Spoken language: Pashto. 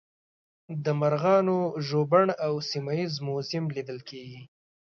د مرغانو ژوبڼ او سیمه ییز موزیم لیدل.